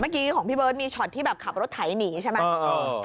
เมื่อกี้ของพี่เบิร์ตมีช็อตที่แบบขับรถไถหนีใช่ไหม